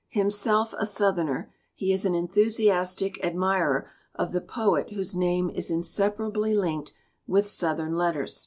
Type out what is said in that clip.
Himself a Southerner, he is an enthusiastic admirer of the poet whose name is inseparably linked with Southern letters.